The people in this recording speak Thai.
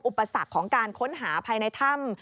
อุปสรรคของการค้นหาภายในถ้ำ